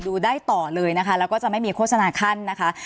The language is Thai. ดูได้ต่อเลยนะคะแล้วก็จะไม่มีโฆษณาขั้นนะคะ